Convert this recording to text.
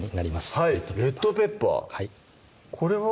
はいレッドペッパーはいこれは？